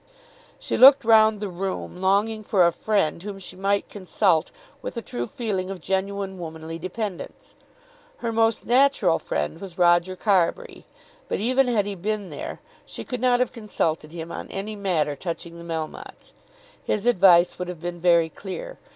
She looked round the room, longing for a friend, whom she might consult with a true feeling of genuine womanly dependence. Her most natural friend was Roger Carbury. But even had he been there she could not have consulted him on any matter touching the Melmottes. His advice would have been very clear.